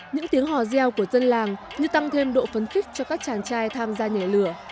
những tiếng hò reo của dân làng như tăng thêm độ phấn khích cho các chàng trai tham gia nhảy lửa